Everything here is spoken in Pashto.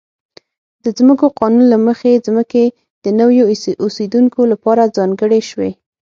د ځمکو قانون له مخې ځمکې د نویو اوسېدونکو لپاره ځانګړې شوې.